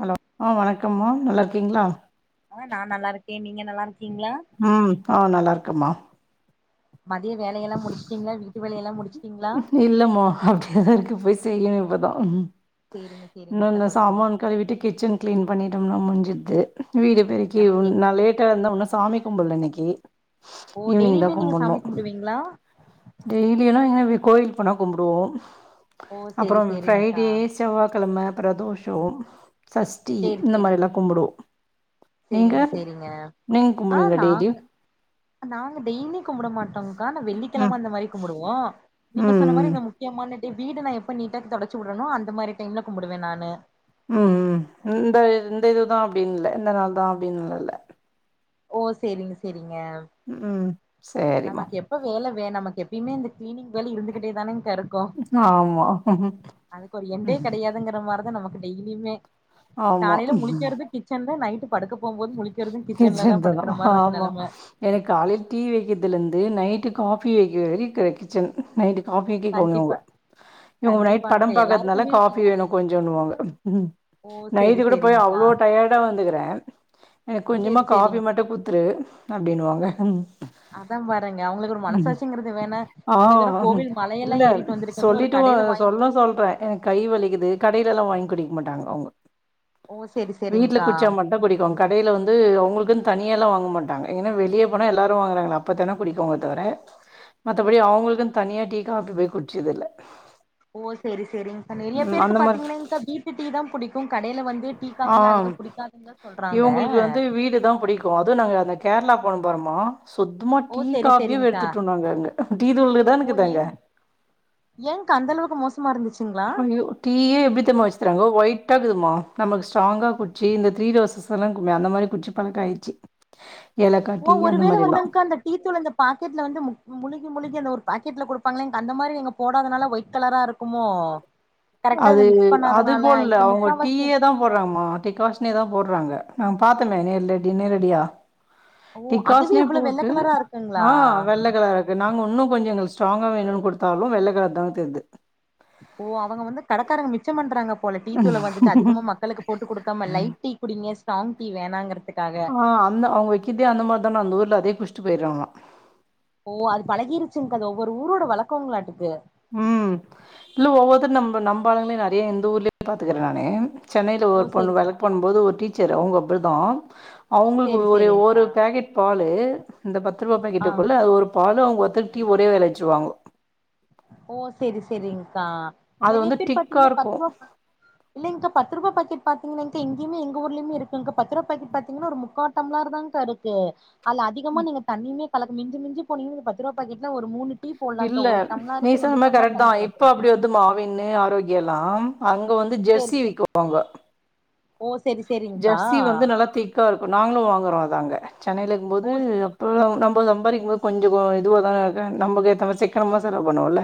Hello ஆ வணக்கம்மா நல்லாருக்கீங்ளா ஆ நா நல்லாருக்கே நீங்க நல்லாருக்கீங்ளா ம் பா நல்லாருக்கம்மா மதிய வேலையெல்லா முடிச்சுட்டீங்ளா வீட்டு வேலையெல்லா முடிச்சுட்டீங்ளா இல்லமா அப்ட் டின்னர்க்கு போய் செய்யனு இப்பதா சேரிங்க சேரிங்க இன்னோ இந்த சகோதரி சாமான் கழுவிட்டு கிச்சன் கிளீன் பண்ணிட்டோம்னா முஞ்சுது வீடு பெரிக் கி நமக்கு எப் நா லேட்டா எழுந்த உன்னோ சாமி கும்பில்ல இன்னைக்கி ஈவ்னிங் தா கும்முண்ணோ ளா டெய்லி எல்லா எங்க கோயில்க் போனா கும்புடுவோ ஓ செரி செரிங்க்கா செவ்வாக்கெழம பிரதோஷம் சஷ்டி சேரி இந்த சேரிங்க மாரில்லா கும்புடுவோ நீங்க சேரிங்க சேரிங்க நீங்க ஆ கும்புடுவீங்ளா டெய்லி நாங்க நாங்க டெய்லியு கும்புட மாட்டங்க்கா நா வெள்ளிக்கெழம ம் அந்த மாரி கும்புடுவோ நீங்க ம் சொன்ன மாரி ம் இந்த முக்கியமான டே வீடு நா எப்ப நீட்டா தொடச்சி உட்றனோ அந்த மாரி டைம்ல கும்புடுவ நானு ம் ம் இந்த இந்த இதுதா அப்டின் இல்ல இந்த நாள் தா அப்டின்லா இல்ல ஓ செரிங்க செரிங்க ம் ம் சேரிம்மா நமக்கு எப்ப வேலவே நமக்கு எப்பயுமே இந்த கிளீனிங் வேல இருந்துகிட்டே தானேங்க்கா இருக் க்கோ ஆமா அதுக்கு ஒரு எண்டே கெடயாத் துங்கிற மாரி தா நமக்கு டெய்லியுமே ஆமா காலையில முழிக்கிறது கிச்சன்ல நைட்டு படுக்க போம் போது முழிக்கிறது கிச்சன்ல தா கிச்சன்தா படுக்கற மார்ருக்கு ஆமா நெலம எனக்கு காலையில் டீ வைக்கிறதுலந்து நைட்டு காஃபி வைக்கற வரை கா கிச் கிச்சன் நைட்டு காபி டீ கேட்குறங்க கண்டிப்பா இவுங்க நைட் கண்டிப்பாங்க்கா படம் பாக்கறதுனால எல்லாருக்குமே காபி வேணும அப்டிதானே கொஞ்சனு வாங்க ம் ஓ செரி நைட் கூட போயி செரிங்க்கா அவ்வளோ டயடா வந்துருக்குறே எனக்கு கொஞ்சமா செரி காபி செரிங் மட்டு குடுத்துரு அப்புடின்வாங்க ம் அதா பாருங்க அவுங்களுக்கு ஒரு மனசாச்சிங்கிறது வேணா ஆ இவ்வளவு தூர கோவில் மலையெல்லா இல்ல ஏறிட்டு வந்திரு சொல்லிட்டு சொல்லுனு சொல்றே என் கை வலிக்குது கடையில எல்லா வாங்கி குடிக்க மாட்டாங்க அவுங்க ஓ செரி வீட்ல செரிங்க்கா குடிச்சா மட்டு குடிப்பங் கடையில வந்து அவுங்களுக்குன்னு தனியல்லா வாங்க மாட்டாங்க ஏங்கனா வெளியே போனா எல்லோரு வாங்கறாங்கள அப்ப தானே குடிப்பங்க தவிர மத்தபடி அவுங்களுக்கு தனியா டீ காபி போயி குடிச்சது இல்ல ஓ சேரி சேரிங்க நெறைய ம் பேருக்கு அந்த மாரி பாத்தீங்கன்னாக்கா இ்ந்த வீட்டு டீ தா புடிக்கு கடையில வந் து டீ ஆ காபிலா அதிக பிடிக்காதுன்னு தா சொல்றாங்க இவுங்களுக்கு வந்து வீடு தா பிடிக் அது நாங்க அந்த கேரளா போண பாருமா சுத்தமா ஓ டீ செரி காபியே செரிங்க்கா வெறுத்துட்டே நாங்க அங்க டீ தூள் தா இருக்குது அங்க எங்கா அந்தளவுக்கு மோச ம இருந்துச்சுங்களா ஐயோ டீ ஏ எப்புடி தெரிம்ம வச்சிருறாங்க ஒயிட்டாக இருகுதுமா நமக்கு ஸ்ட்ராங்காக குடிச்சு இந்த த்ரீ ரோஸ்சுல்லா இருக்குமே அந்த மாறி குடிச்சு பழக்க ஆயிருச்சு ஓ ஏலக்காட்டி அந்த ஒருவேள மாறி எல்லா வந்துங்க்கா அந்த டீ தூள் அந்த பாக்கெட்ல வந்து முக் முழுகி முழுகி அந்த ஒரு பாக்கெட்டில கொடுப்பாங்களா க்கா அந்த மாறி எங்க போடாதனால ஒயிட் கலரா இரு க்குமோ அது அது போல இப்ப அவுங்க முக்காவாசி டீயே தா போறாங்கே டிகாஷனே தா போடுறாங்க நா பாத்தனே நேரல நேரடியா ஓ அதுவே டிக்காஸ்ன இவ்ளோ வெள்ள போட்டு கலரா இருக்குங்களா ஆ வெள்ளை கலரு நாங்க ஊன்னு கொஞ்ச எங்களுக்கு ஸ்ட்ராங்கா வேணும்னு கொடுத்தாலு வெள்ளைகலரு தா தெரிது ஓ அவுங்க வந்து கடைக்காரங்க மிச்ச பண்றாங்க போல டீ தூளை வந்துட்டு அதிகமா மக்களுக்கு போட்டு கொடுக்காம லைட் டீ குடிங்க ஸ்ராங் டீ வேணாங்கற ஆ அந்த அவுங்க வைக்கிறதே அந்த மாதிரி தானே அந்த ஊர்ல அதே குடிச்சிட்டு போயிருவாங்க ஓ அது பழகிருச்சுங் க்கா அது ஒவ்வொரு ஊரோட வழக்கங்களாட்டுக்கு ம் இல்ல ஒவ்வொருத்தரு நம்ம நம்ப ஆளுங்களையு நெறைய இந்த ஊர்லயு பாத்துக்குறே நானு சென்னையில்ல ஒரு ஓ செரி பொண்ணு வேலைக்கு ஒர்க் பண்ணு போது ஒரு டீச்சர் அவுங்க அப்புடி தா அவுங்களுக்கு செரி ஒரு ஒரு செரிங்க்கா பாக்கெட் பாலு இந்த பத்து ரூபா பாக்கெட்டு ஆ இருக்குமுள்ள அது ஒரு பாலு அவுங்க ஒத்தா டீ ஒரே வேலை வச்சுருவாங்க ஓ சேரி சேரிங்கா அது வந்து டிக்கா இருக்கும் இல்லங்க்கா பத்துரூபா பாக்கெட் பாத்தீங்கின்னா க்கா இங்கயுமே எங்க ஊர்லயுமே இருக்குங்கா பத்து ரூபா பாக்கெட் பாத்தீங்கன்னா ஒரு முக்கா டம்ளர் தா ங்கா இருக் ஏன் அதுல அதிகமா நீங்க தண்ணியுமே கலக்கு மிஞ்சி மிஞ்சி போனீங்கன்னா பத்து ரூபா பாக்கெட்ல ஒரு மூணு டீ போட்லாங்கா இல்ல ஒரு நீ டம்ளாருக்கு ரெண்டு சொன்னது டம்ளார் கரெக்ட் தா தண்ணி இப்ப கலக்குறா அப்புடி வருது ஆவின் ஆரோக்யா எல்லா அங்க வந்து சேரி ஜெர்சி சேரி விக்கு வாங்க ஓ சேரி சேரி ஜெர்சி வந்து நல்லா திக்கா இருக்கு நாங்களு வாங்குறோ அத அங்க சென்னையில இருக்கு போது ஓ இப்போ நம்ம சம்பாரிக்கு போது கொஞ்ச இதுவாக தானே இருக்கே நம்மக்கு ஏத்த மாறி சிக்கனமா செலவு பண்ணுவும்ல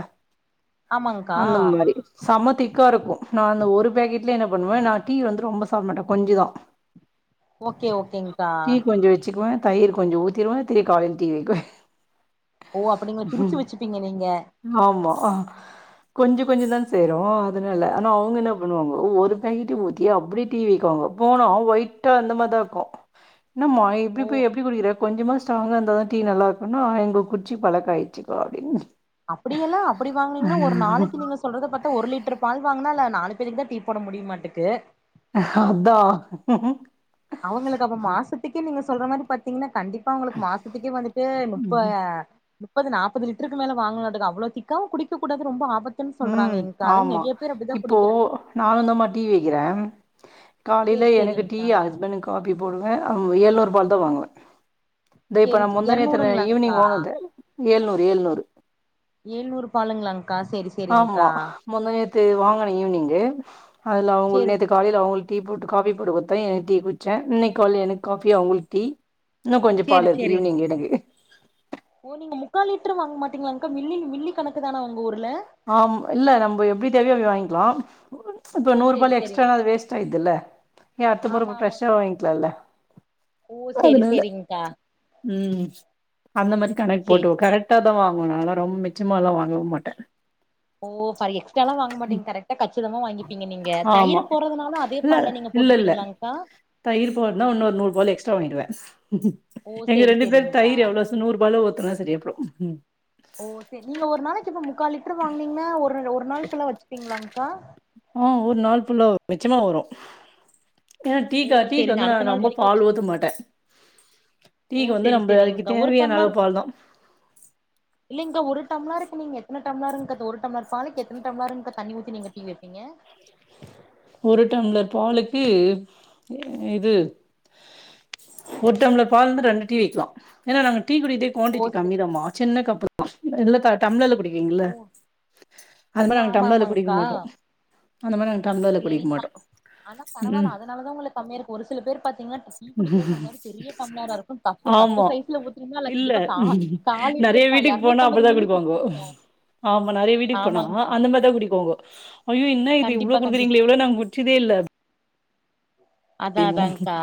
ஆமாங்க்கா அந்த மாறி செம திக்கா இருக்கும் நா அந்த ஒரு பாக்கெட்லயே என்ன பண்ணுவே நா டீ வந்து ரொம்ப சாப்பட மாட்டே கொஞ்சுதா ஓகே ஓகேங்க்கா டீ கொஞ்சம் வச்சிக்குவே தயிர் கொஞ்சம் ஊத்திடுவே திரி காலையில டீ வக்கிவன் ஓ அப்டிங்களா பிரிச்சி வச்சிப்பீங்க நீங்க ஆமா ஆ கொஞ்சம் கொஞ்சம் தான் சேரும் அதனால ஆனா அவுங்க என்ன பண்ணுவாங்கோ ஒரு பேக்கெட்டு ஊத்தி அப்டே டீ ட்டுவாங்கோ போனா ஒய்ட்டா அந்த மாரி தா இருக்கும் இன்னாமா இப்டி ஓ போயி எப்டி குடிக்கிற கொஞ்சமா ஸ்ட்டாங்க இருந்தா தா டீ நல்லா இருக்குன்னு இங்க குடிச்சி பழக்க ஆயிச்சிக்கா அப்டின் அப்டியலாம் அப்டி வாங்கனீங்கன்னா ஒரு நாளைக்கு நீங்க சொல்றத பாத்தா ஒரு லிட்டர் பால் வாங்கனா அல்ல நாலு பேருக்கு தான் டீ போட முடியமாட்டேக்கு அதான் அவங்களுக்கு அப்ப மாசத்துக்கே நீங்க சொல்ற மாரி பாத்தீங்கன்னா கண்டிப் பா உங்களுக்கு மாசத்துக்கே வந்துட்டு முப்ப ம் முப்பது நாப்பது லிட்டருக்கு மேல வாங்கும்னும்டக்கு அவ்ளோ திக்காவு குடிக்க கூடாது ரொம்ப ஆபத் ம் ஆமா இப்போ குடிக்கிறே நானுந்தாமா டீ வைக்கிறன் காலையில சேரி எனக்கு டீ சேரிங்க்கா ஹஸ்பண்டக்கு காப்பி போடுவன் ம் ஏழுநூறுபால் தா வாங்குவேன் தே இப்ப சேரி நா முந்தாநேத்து ஈவினிங் எரநூறுங்களாங்க்கா வாங்கனது ஏழுநூறு ஏழுநூறு எழுநூறு பாலுங்களாக்கா சேரி சேரிங்க்கா ஆமா முந்தாநேத்து வாங்கன ஈவினிங்கு அதுல அவுங்க சேரி நேத்து காலையில அவுங்களுக்கு டீ போட்டு காஃபி போட்டு குத்தன் எனக்கு டீ குடிச்சன் இன்னைக்கு கால்ல எனக்கு காஃபி அவுங்களுக்கு டீ இன்னும் கொஞ்சம் சேரி பால் இருக்கு சேரிங் ஈவினிங் எனக்கு ஓ நீங்க முக்கால் லிட்டர் வாங்க மாட்டீங்களக்கா மில்லி மில்லி கணக்கு தானா உங்க ஊர்ல ஆம் இல்ல நம்ப எப்டி தேவையோ அப்டி வாங்கிக்கலாம் இப்போ ஓ சேரி நூறுபால் சேரிங் எக்ஸ்ட்னா அது வேஸ்ட் ஆயிருதுல்ல ஏன் அடுத்த முற ஆமா ஆமா ப்ரஷா வாங்கிக்கலாம்ல்ல ஓ சேரி அதனால சேரிங்க்கா ம் அந்த மாரி கணக்கு சேரி போட்டுவோம் கரெட் டாதான் வாங்குவேன் நாலா ரொம்ப மிச்சமாலா வாங்கவும் மாட்ட ஓ பாரி எக்ஸ்டால்லாம் வாங்க மாட்டிங்க கரெட்டா கச் சிதமா வாங்கிப்பீங்க நீங்க ஆமா தயிரு போறதுனால அதே பால்ல நீங்க போட்டுப்பீங்களாங்க்கா தயிரு போறனா இன்னொரு நூறுபால் எக்ஸ்ட்ரா வாங்கிடுவன் ஓ எங்க சேரி ரெண்டு பேர் சேரிங்க்கா தயிர் எவ்ளோ ச நூறு ரூபால்ல ஊத்தனா சரி போயிரும் ஓ செரி நீங்க ஒரு நாளைக்கு இப்ப முக்கால் லிட்டரு வாங்கனீங்கன்னா ஒரு ஒரு நாள் ஃபுல்லா வச்சிப்பீங்களாங்க்கா ம் ஒரு நாள் ஃபுல்லா மிச்சமா வரும் ஏனா ஓ டீக்கா டீக்கா சேரி வந்து அடுத்த நான் நாள் ரொம்ப வரைக்கு பால் வச்சு ஊத்த மாட்டன் ஓ டீக்கு வந்து சேரி நம்ப அதுக்கு சேரிங்க்கா ஒரு தேவையான அளவு பால்தா இல்லங்க்கா ஒரு டம்ளாருக்கு நீங்க எத்தன டம்ளாருங்க்கா இப்ப ஒரு டம்ளார் பாலுக்கு எத்தன டம்ளாருங்க்கா தண்ணி ஊத்தி நீங்க டீ வைப்பீங்க ஒரு டம்ளர் பாலுக்கு இது ஒரு டம்ளர் பால் வந்துட்டு ரெண்டு டீ வைக்கலாம் ஏன்னா நாங்க டீ குடிக்கதே ஓ குவாண்டிட்டி சரி. கம்மிதாமா சின்ன கப்பு இல்லக்கா டம்ளார்ல குடிக்கிங்க இல்ல ஓ அது ஓ மாரி நாங்க ஆமா டம்ளார்ல குடிக்க ஆமாங்க்கா மாட்டோம் அந்த மாரி நாங்க டம்ளார்ல குடிக்க சேரிங் மாட்டோம் ஆனா பரவாயில்ல அதனால தா உங்களுக்கு கம்மியா இருக்கு ஒரு சில பேர் பாத்தீங்கன்னா டீ குடிக்கிற டம்ளாரு பெரிய டம்ளாரா இருக் கும் கப்பு கப்பு ஆமா சைஸ்ல ஊத்துன்னா இல்ல கண்டிப்பா கா காலிட்டரு நெறைய பா வீட்டுக்கு போனா எரநூத்தம்பது அப்டிதா மில்லி குடிப்பாங்கோ குடுத்துருப்பன் ஆமா நறையா வீட்டுக்கு போனா அந்த மாதிரிதா குடிக்குவாங்கோ ஐயோ என்ன இது இவ்ளோ கண்டிப்பா கண்டிப் குடுக்குறீங்களே இவ்ளோ நாங்க குடுச்சதே இல்ல அதான் அப்டின்னுவோ அதான்க்கா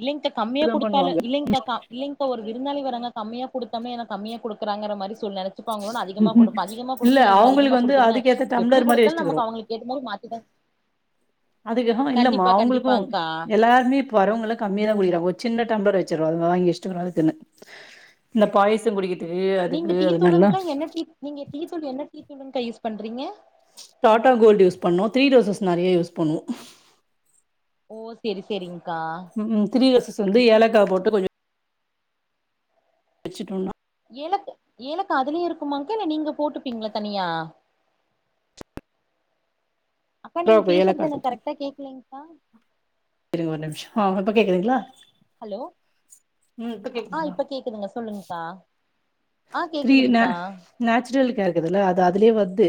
இல்லைங்க்கா கம்மியா அப்டிதா குடுத்தாலும் பண்ணுவாங்க இல்லைங்க க இல்லிங்கப்ப ஒரு விருந்தாளி வராங்க கம்மியா குடுத்தமே ஏனா கம்மியா குடுக்குறாங்கிற மாரி சூழ்நெல சிப்பாங்களோனு அதிகமா குடுப்போ அதிகமா இல்ல குடுத்து ஏன் இவ்ளோ அதிகமா அவங்களுக்கு வந்து குடுக்குறீங்க அதுக்கேத்த எப்டி டம்ளர் மாரி குடுத்தாலு வச்சுட்டுக்குறோ நமக்கு அவுங்களுக் என்னமோ ஒரு மாத்தி மாத்தி அதுக்கக இல்லம் அவுங்களுக்கு கண்டிப்பாங்க்கா எல்லாருமே வரவுங்களா கம்மியா தா குடிக்கராங்க ஒரு சின்ன டம்லர வச்சிருவாங்க அது வாங்கி இஷ்ட கணக்கா தின்னு இந்த பாய்சங் குடிக்கதுக்கு நீங்க அதுக்கு டீ அது நல்லா தூளுங்க்கா என்ன டீ நீங்க டீத்தூள் என்ன டீத்தூளுங்கக்கா யூஸ் பண்றீங்க டாட்டா கோல்டு யூஸ் பண்ணுவோ த்ரீ ரோசஸ் நறையா யூஸ் பண்ணுவோ ஓ செரி செரிங்க்கா ம் த்ரீ ரோசஸ் வந்து ஏலக்கா போட்டு கொஞ்சோ வச்சுட்டோண்ணா ஏலக்கு ஏலக்கா அதுலயே இருக்குமாங்கா இல்ல நீங்க போட்டுப்பீங்களா தனியா அக்கா நீங்க ஏலக்கா பேசுறது எனக்கு கரெட்டா கேக்கலைங்க்கா இருங்க ஒரு நிம்ஷோ ஆ இப்ப கேக்குதுங்களா ஹலோ ஆ இப்ப கேக்குதுங்க சொல்லுங்கக்கா த்ரீன்ன நேச்சுரலுக்கா இருக்குதுல்ல அது அதுலயே வர்து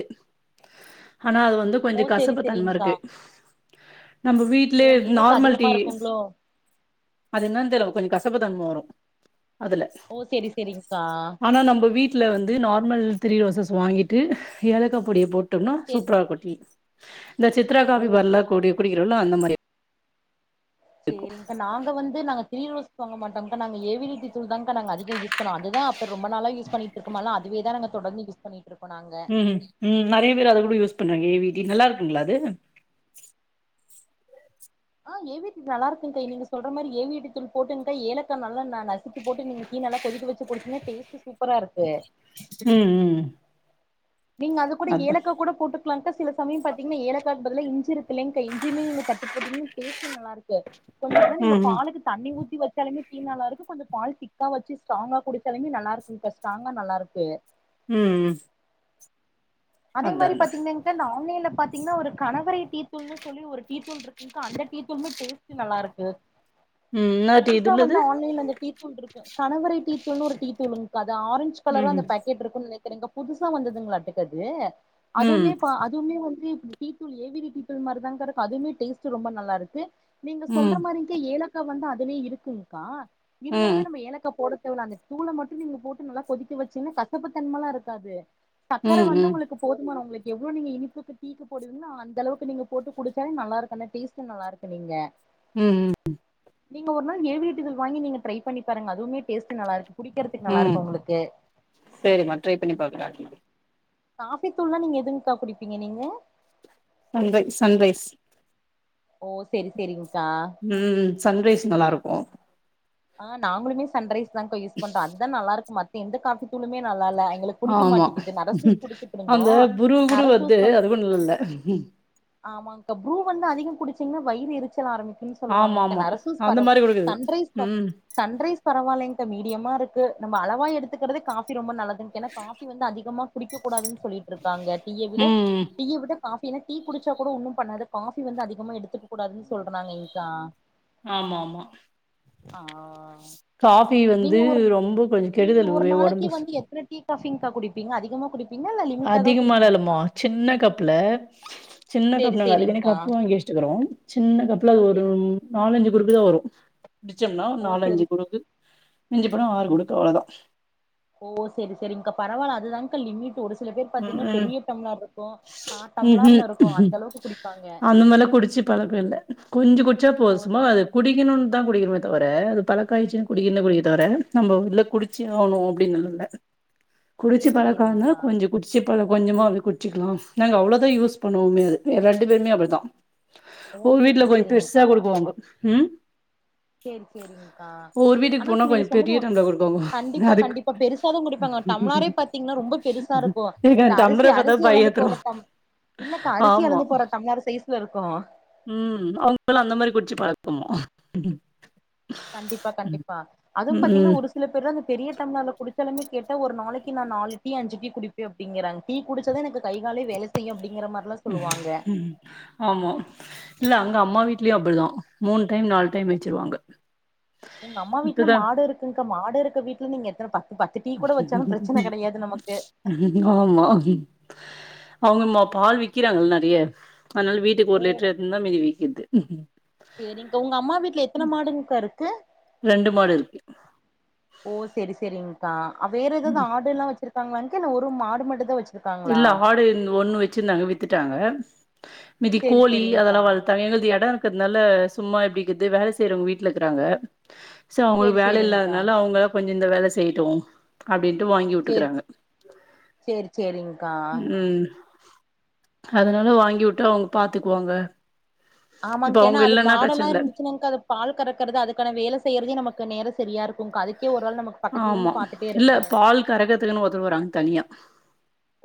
ஆனா அது வந்து ஓ கொஞ்சோ செரி கஷப்புத்தன்ம செரிங்க்கா இருக்கு நம்ம ஓ வீட்லயே ஏலக்கா நார்மல் அதிகமா டீ இருக்குங்களோ அது என்னனு தெரியல கொஞ்சோ கசப்புத்தன்ம வரும் அதுல ஓ செரி செரி்ங்க்கா ஆனா நம்ப வீட்டுல வந்து நார்மல் த்ரீ ரோசஸ் வாங்கிட்டு ஏலக்கா பொடியை போட் டுனா செரி சூப்பரா இருக்கு டீ இந்த சித்ரா காபி ஓகே பார்ல குடி ஓகேங் குடிக்குறல்ல அந்த மாரியே சேரிங்க்கா நாங்க வந்து நாங்க த்ரீ ரோஸ் வாங்க மாட்டோங்க்கா நாங்க ஏவிடி டீத் தூளுதாங்க்கா நாங்க அதிகோ யூஸ் பண்ணுவோ அதுதா அப்ப ரொம்ப நாளா யூஸ் பண்ணிட்டு இருக்கமாலா அதுவே தா நாங்க தொடர்ந்து யூஸ் பண்ணிட்டு இருக்கோ நாங்க ம் ம் நறையா பேரு அத கூட யூஸ் பண்ணுறாங்க ஏ வி டி நல்லா இருக்குங்களா அது ஆ ஏ வி டி நல்லா இருக்குங்கா நீங்க சொல்ற மாதிரி ஏ வி டி தூள் போட்டுங்க்கா ஏலக்கா நல்லா நா நசு க்கிபோட்டு நீங்க டீ நல்லா கொதிக்க வச்சு குடிச்சீங்கன்னா டேஸ்ட்டு சூப்பரா இருக்கு ம் ம் நீங்க அது கூட அதா ஏலக்கா கூட போட்டு சில சமயம் பாத்தீங்கன்னா ஏலக்காக்கு பதிலா இ்ஞ்சி இருக்கு இல்லைங்க்கா இஞ்சிமே நீங்க தட்டு போட்டிங்கனா டேஸ்ட் கு நல்லா இருக்கு கொஞ்ச நாளா நீங்க ம் ம் பாலுக்கு தண்ணி ஊத்தி வச்சாலுமே டீ நல்லா இருக்கு கொஞ்சோ பால் திக்கா வச்சு ட்ராங்கா குடிச்சாலுமே நல்லா இருக்கு இப்ப ஸ்ட்ராங்கா நல்லா இருக்கு ம் ம் அதே அதா மாதிரி அதா பாத்தீங்கன்னாக்க இந்த ஆன்லைன்ல பாத்தீங்கன்னா ஒரு கணவரே டீ தூள்ன்னு சொல்லி ஒரு டீத்தூள் இருக் கு அந்த டீத்தூளுமே டேஸ்ட்டு நல்லா இருக்கு ம் என்னா டீ இது புதுசா வந்து உள்ளது ஆன்லைன்ல இந்த டீத் தூள் இருக்கு கணவரே டீத்தூள்னு ஒரு டீத்தூள் வந்துருக் அது ஆரஞ்ச் ம் கலர் அந்த பேக் கேட்டு இருக்குனு நெனைக்கிறீங்க புதுசா வந்ததுங்களா அட்டுக்கது ம் அதுவுமே ப அதுவுமே வந்து இப் டீதூள் ஏவிடி தூள் மாதிரிதான் அதுமேடேஸ் ரொம்ப நல்லா இரு நீ சொல்ற ம் மாதிரி இங்க ஏலக்கா வந்து அதுவே இருக்குங்க்கா ம் இருந்தாலுமே நம்ம ஏலக்கா போட தேவ இல்ல அந்த தூள மட்டும் நீங்க போட்டு நல்லா கொதிக்க வச்சீங்கன்னா கசப்புத்தன்ம எல்லா இருக்காது சர்க்கரை ம் வந்து ம் உங்களுக்கு போதும்மா உங்களுக்கு எவ்ளோ நீங்க இனிப்புக்கு டீத்தூள் போடுவீங்களோ அந்தளவுக்கு நீங்க போட்டு குடிச்சாலே நல்லா இருக்கு அந்த டேஸ்டு நல்லா இருக்கு சொன்னீங்க ம் ம் நீங்க ஒரு நாள் ஏ வி டி தல் வாங்கி நீங்க ட்ரை பண்ணி பாருங்க அதுவுமே டேஸ்ட் நல்லா இருக்கு குடிக்கிறதுக்கு நல்லா ம் இருக்கு உங்களுக்கு சேரிம்மா ட்ரை பண்ணி பாக்குறே காபி தூள்லா நீங்க எதுங்க்கா குடிப்பீங்க நீங்க சன்ரை சன்ரைஸ் ஓ சேரி சேரிங்க்கா ம் சன்ரைஸ் நல்லா இருக்கு ஆ நாளுமே சன் ரைஸ் தா யூஸ் பண்றோ அதுதா நல்லாக்கு மத்த எந்த காபி தூளுமே நல்லா இல்ல எங்களுக்கு புடிக்க ஆமா மாட்டேங்குது நரசூஸ் குடிச்சிட்டு இருந்தோ அந்த புரு கூரு நரசூஸ் வந்து அதுவு நல்லா இல்ல ஆமாங்க புரூ வந்து அதிக குச்சிங்கன்னா வயிறு எரிச்சல் ஆரம்பிச் அப்பின்னு சொல்லுவாங்க ஆமா இங்க ஆமா நரசூஸ் அந்த பரவோ மாரி குடுக்குது சன்ரைஸ் பப் ம் சன்ரைஸ் பரவாயில்ல இங்க மீடியமா இருக்கு நம்ம அளவா எடுக்கறதே காபி ரொம்ப நல்லது என காபி வந்து அதிகமா குடிக்க கூடாதுன்னு சொல்லிட்டு இருக்காங்க டீய விட ம் டீய விடக் காஃபினா டீ குடிச்சா கூட ஒன்னு பண்ணாது காஃபி வந்து அதிகமா எடுத்துக்க கூடாதுன்னு சொல்றாங்க இங்கா ஆமா ஆமா ஆ காஃபி நீங்க வந்து ஒரு ரொம்ப கொஞ்சோ நீங்க கெடுதல் ஒரு நாளைக்கு ஒடம்பு வந்து எத்தன டீ ஃபிங்கா குடிப்பீங்க அதிகமா குடிப்ப அதிகமால இல்லமா சின்ன கப்புல சின்ன சேரி கப் நாங்க அதினக்கு சேரிங்க்கா கப்பு வாங்கி வச்சிட்டுக்கிறோ சின்ன கப்ல ஓ அது சேரி ஒரும் நாலஞ்சு குறுப்பு தா வரு பிடிச்சோம்னா ஓ சேரி நாலஞ்சு குறுப்பு இஞ்ச போனா ஆறுமுடுக்க அவ்ளதா ஓ செரி செரிங்கா பரவில்ல அதுதாங்கா லிமிட் ஒரு சில பேர் பாத்தீங்னா ம் பெரிய டம்ளர் இருக்கு கா டம்ளர்ல இருக்கு ம்ஹூம் அந்த அளவுக்கு குடிப் அந்த மாறிலா குடிச்சு பழக்கோ இல் கொஞ்சு குடிச்சா ஓ போதுசும்மா அது குடிக்கணும்னு தா குடிக்கணுமே தவர அது பழக்காய்சச்சினா சேரி குடிக்கன்ன குடிக்க தவர நம்ம இல்ல குடிச்சி ஆவுனு அப்டினால்ல குடிச்சி சேரி பழக்காரன சேரிங்க்கா கொஞ்சோ குடிச் சிப்பழ கொஞ்சமா அப்டி குச்சிக்கிலா நாங்க அவ்ளோதா யூஸ் பண்ணோமே அது ரெண்டு பேருமே அப்டிதா ஓ ஒரு வீட்ல சேரிங்க கொஞ்ச பெருசா சேரிங்கக்கா குடுக்குவாங்க ம் சேரி சேரிங்கா ஒவ்வொரு வீட்டுக்கு ஆனா போனா நீங்க கொஞ்ச சொன்னது பெரிய ஒ டம்ளர் கொடுக்குவாங்க கண்டிப்பா அதுக்கு கண்டிப்பா பெருசாதா குடிப்பாங்க டம்ளரேப் பாத்தீங்னா ரொம்ப பெருசா இருக்கும் ஏங்க இந்த அரிசி டம்ளர பாத்தா அரிசி அழந்து பயந்துரு போடுற டம் இல்லக்கா அரிசி ஆமா அலந்து போற டம்ளர் சைஸ்ல இருக்கு ம் அவங்கள்ள அந்த மாரி குடிச்சி பழக்கமோ கண்டிப்பா கண்டிப்பா அதுவு ம் பாத்தீங்னா ம் ஒரு சிலப் பேரு பெரிய டம்ளர்ல குடிச்சாலே கேட்ட ஒரு நாளைக்கி நா அஞ்சி குடிப்ப அப்டிங்கிறாங்க குடிச்சாதா எனக்கு கை காலே வேல செய்யு அப்டிங்கிற மாற் எல்லா சொல்லுவாங்க ம் ஆமா இல்ல அங்க அம்மா வீட்லயு அப்டிதா மூனு டைம் நால் டைம் வச்சிருவாங்க இப்பதா ங்க மாடு இருக்க வீட்ல நீங்க எத்தன பத்து பத்து டீ கூட வச்சாலு பிரச்சன கெடையாது நமக்கு ஆமா அவங்க மா பால் விக்கிறாங்கள் நறைய அதனால வீட் டுக்கு ஒரு ஓ லிட்டர் எடுத்ந்தா இருந்தா மீதி விக்குது செரிங்க்கா உங்க அம்மா வீட்டல எத்தன மாடுங்கக்கா இருக்கு ரெண்டு மாடு இருக்கு ஓ செரி செரிங்க்கா வேற ஏதாவது ம். ஆடு எல்லா வச்சிருக்காங்கா இல்ல ஒரு ஆடு மட்டு தா வச்சி இல்ல ஆடு ஒன்னு வச்சிருந்தாங்க வித்துட்டாங்க மிதி செரி கோழி அதெல்லா செரிங்க்கா வள்த்தாங்க எங்களுக்கு எடோ இருக்குதுனால சும்மா எப்டிக்கு வேல செய்றவங்க வீட்ல இருக்குறாங்க சோ செரி அவுங்களுக்கு வேல செரிங்க்கா இல்லாதனால அவுங்க கொஞ்ச இந்த வேல செய்யட்டு அப்டின்ட்டு வாங்கி உட்டுக்குறாங்க சேரி செரிங்க்கா ம் அதனால வாங்கி உட்டா அவுங்க பாத்துக்வாங்க ஆமாங்க்கா ஏனா அது மாடெல்லா இருந்துச்சுன்னாங்க்கா அது பால் கறக்கறது அதுக்கான வேல செய்யறதே நமக்கு நேரோ சரியா இருக்குங்க்கா அதுக்கே ஒரு ஆள் நமக் ஆமா இல்ல பால் கறக்கற்துக்குனு ஒதவுறாங் தனியா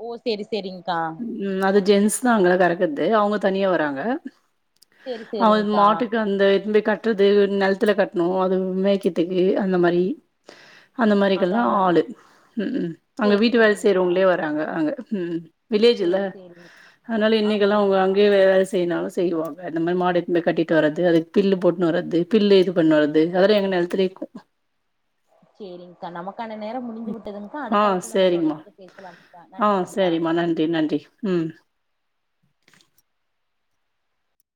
ஓ சேரி சேரிங்க்கா ம் அது ஜென்ஸ் தா அங்க கறக்கற்து அவுங்க தனியா வராங்க சேரி அவுங் சேரிங்க்கா மாட்டுக்கு வந்து இந்த கட் றது நெல்த்துல கட்ணு அது மேக்கிறத்துக்கு அந்த மாரி அந்த அதா மாரிக்கெல்லா அதாங் ஆளு ம் ம் அங்க சேரி வீட்டு வேல சேரிங்க்கா செய்றவங்ளே வராங்க அங்க ம் வில்லேஜ் இல்ல சேரி சேரிங் அதுனால இன்னைக்கெல்லா அவுங்க ஆமாங்க்கா அங்யே வேல செய்னாலு செய்வாங் அந்த மாரி மாடு இத்துன் கட்டீட் வரது அதுக் பில்லு போட்னு வரது பில்லு இது பண்ணு வரது அதெல்லா எங்க நெல்த்துலே இர்க்கு சேரிங்க்கா நமக் கான நேரம் முடிந்து விட்டதுங்க்கா ஆ அடுத்த அழைப்பில் நம்ம சேரிங்கம்மா தொடர்ந்து பேசலாம்க்கா ஆ நன்றிங்க்கா சேரிம்மா நன்றி நன்றி ம்